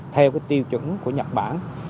theo cái tiêu chuẩn của nhật bản